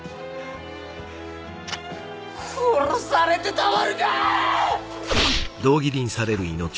殺されてたまるかー！